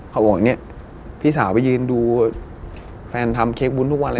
เขาบอกว่าพี่สาวไปยืนดูแฟนทำเค้กบุ้นทุกวันเลยนะ